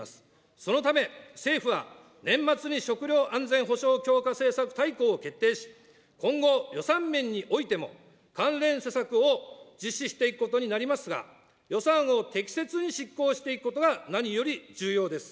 そのため政府は、年末に食料安全保障強化政策大綱を決定し、今後、予算面においても関連施策を実施していくことになりますが、予算を適切に執行していくことが何より重要です。